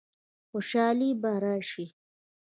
خوشحالي به راشي؟